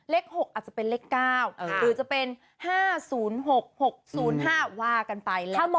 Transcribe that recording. เลข๖อาจจะเป็นเลข๙หรือจะเป็น๕๐๖๖๐๕ว่ากันไปแล้ว